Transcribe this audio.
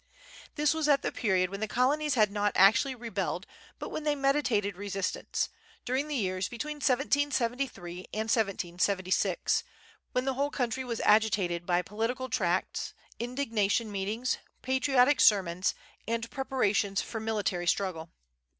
This was at the period when the colonies had not actually rebelled, but when they meditated resistance, during the years between 1773 and 1776, when the whole country was agitated by political tracts, indignation meetings, patriotic sermons, and preparations for military struggle.